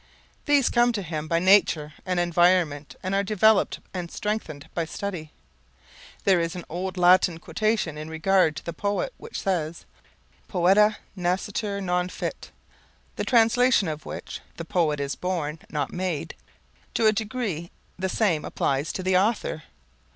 These come to him by nature and environment and are developed and strengthened by study. There is an old Latin quotation in regard to the poet which says "Poeta nascitur non fit" the translation of which is the poet is born, not made. To a great degree the same applies to the author.